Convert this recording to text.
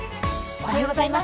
おはようございます。